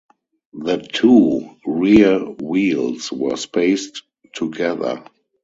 The two rear wheels were spaced together.